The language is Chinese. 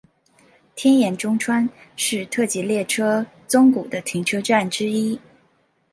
天盐中川是特急列车宗谷的停车站之一。